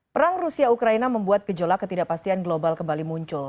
perang rusia ukraine membuat kejolak ketidakpastian global kembali muncul